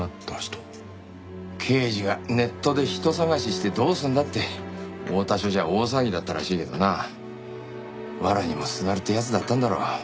刑事がネットで人捜ししてどうするんだって大田署じゃ大騒ぎだったらしいけどなわらにもすがるってやつだったんだろ。